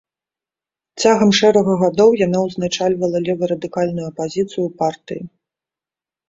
Цягам шэрага гадоў яна ўзначальвала леварадыкальную апазіцыю ў партыі.